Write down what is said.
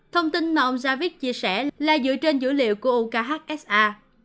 thông tin mà ông javid chia sẻ là dựa trên dữ liệu của ukhsa